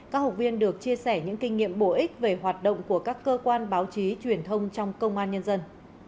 các học viên được chia sẻ những kinh nghiệm bổ ích về hoạt động của các cơ quan báo chí truyền thông trong công an nhân dân